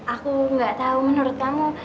aku nggak tahu menurut kamu